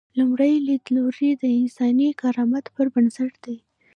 لومړی لیدلوری د انساني کرامت پر بنسټ دی.